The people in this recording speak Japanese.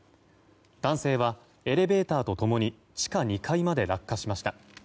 男性はエレベーターと共に地下２階まで落下しました。